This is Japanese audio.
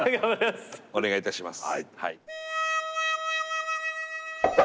お願いいたします。